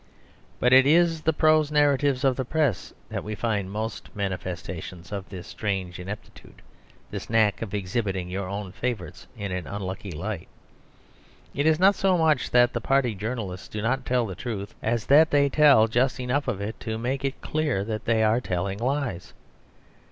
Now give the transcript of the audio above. But it is in the prose narratives of the Press that we find most manifestations of this strange ineptitude; this knack of exhibiting your own favourites in an unlucky light. It is not so much that the party journalists do not tell the truth as that they tell just enough of it to make it clear that they are telling lies.